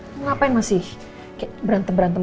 kenapa masih berantem berantem